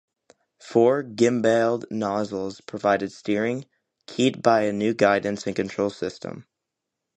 Four gimbaled nozzles provided steering, keyed by a new guidance and control system.